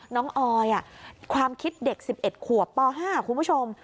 ออยความคิดเด็ก๑๑ขวบป๕คุณผู้ชม